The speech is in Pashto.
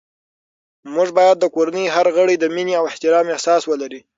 موږ باید د کورنۍ هر غړی د مینې او احترام احساس ولري